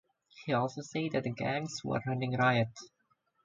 He also said that the gangs were "running riot".